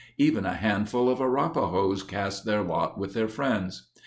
Even a handful of Arapahoes cast their lot with their friends.